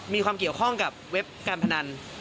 มีความเกี่ยวข้องกับเว็บการพนัน